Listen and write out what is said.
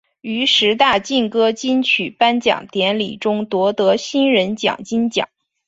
于十大劲歌金曲颁奖典礼中夺得新人奖金奖。